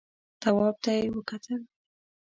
تواب ته يې وکتل.